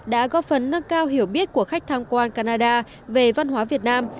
đã góp phần nâng cao hiểu biết của khách tham quan canada về văn hóa việt nam